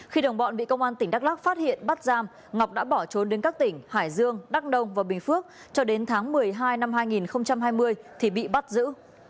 khi đồng bọn bị công an tỉnh đắk lắc phát hiện bắt giam ngọc đã bỏ trốn đến các tỉnh hải dương đắk nông và bình phước cho đến tháng một mươi hai năm hai nghìn hai mươi thì bị bắt giữ